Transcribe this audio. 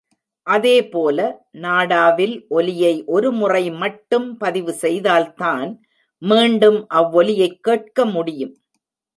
அதே போல, நாடாவில் ஒலியை ஒரு முறை மட்டும் பதிவு செய்தால் தான், மீண்டும் அவ்வொலியைக் கேட்க முடியும்.